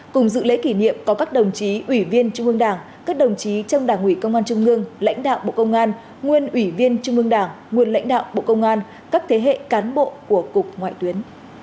cùng dự lễ kỷ niệm có các đồng chí ủy viên trung ương đảng các đồng chí trong đảng ủy công an trung ương lãnh đạo bộ công an nguyên ủy viên trung ương đảng nguyên lãnh đạo bộ công an các thế hệ cán bộ của cục ngoại tuyến